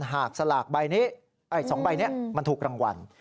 หากสลากสองใบนี้มันถูกรางวัล